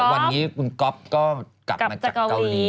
วันนี้คุณก๊อฟก็กลับมาจากเกาหลี